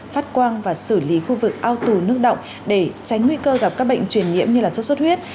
phát quang và xử lý khu vực ao tù nước động để tránh nguy cơ gặp các bệnh truyền nhiễm như sốt xuất huyết